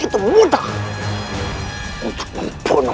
untuk membunuh yudhagara kepenakanku